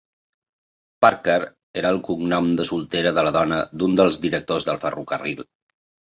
Parker era el cognom de soltera de la dona d'un dels directors del ferrocarril.